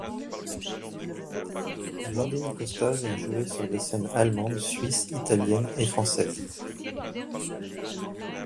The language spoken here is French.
Blandine Costaz a joué sur des scènes allemandes, suisses, italiennes et françaises.